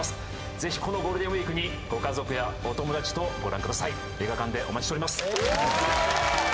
ぜひこのゴールデンウイークにご家族やお友達とご覧ください映画館でお待ちしております